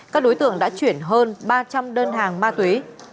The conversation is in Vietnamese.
các đối tượng đã chuyển hơn ba trăm linh đơn hàng ma túy